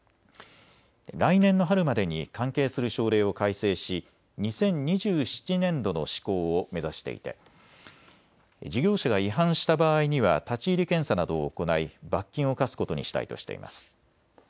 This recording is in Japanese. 来年の春までに関係する省令を改正し２０２７年度の施行を目指していて事業者が違反した場合には立ち入り検査などを行い罰金を科すことにしたいとしています。